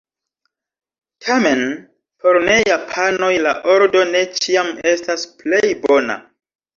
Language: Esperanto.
Tamen, por ne-japanoj la ordo ne ĉiam estas plej bona.